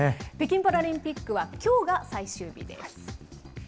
北京パラリンピックはきょうが最終日です。